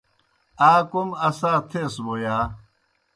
آ کوْم اسا تھیس بوْ یا؟